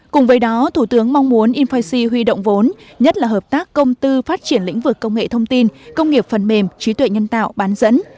cùng với đó thủ tướng mong muốn infic huy động vốn nhất là hợp tác công tư phát triển lĩnh vực công nghệ thông tin công nghiệp phần mềm trí tuệ nhân tạo bán dẫn